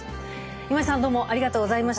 今井さんどうもありがとうございました。